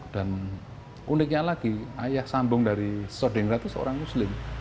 dan uniknya lagi ayah sambung dari secodiningrat itu seorang muslim